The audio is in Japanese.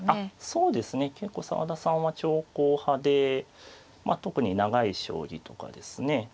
そうですね結構澤田さんは長考派で特に長い将棋とかですね